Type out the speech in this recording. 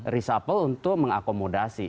risapel untuk mengakomodasi